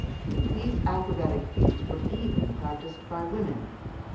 These acrobatic feats were even practised by women.